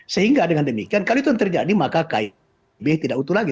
sehingga dengan demikian kalau itu yang terjadi maka kib tidak utuh lagi